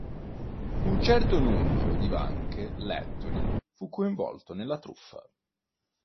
Un certo numero di banche lettoni fu coinvolto nella truffa.